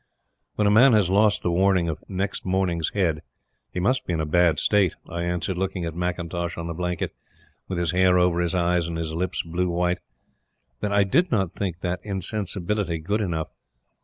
When a man has lost the warning of "next morning's head," he must be in a bad state, I answered, looking at McIntosh on the blanket, with his hair over his eyes and his lips blue white, that I did not think the insensibility good enough.